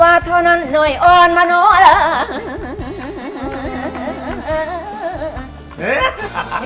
ว่าเท่านั้นหน่อยอ่อนมะโนลา